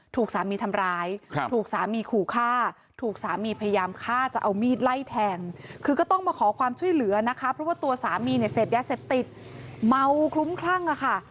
ถูกสามีทำร้ายถูกสามีขู่ฆ่าถูกสามีพยายามฆ่าจะเอามีดไล่แทงคือก็ต้องมาขอความช่วยเหลือนะคะเพราะว่าตัวสามีเนี่ยเสพยาเสพติดเมาคลุ้มคลั่งอะค่ะ